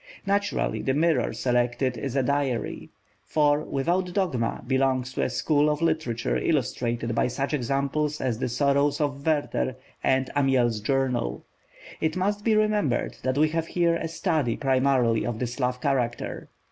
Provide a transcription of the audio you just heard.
Naturally the mirror selected is a diary, for Without Dogma belongs to a school of literature illustrated by such examples as the Sorrows of Werther and Amiel's Journal. It must be remembered that we have here a study primarily of the Slav character.